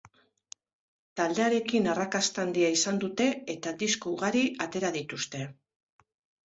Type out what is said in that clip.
Taldearekin arrakasta handia izan dute eta disko ugari atera dituzte.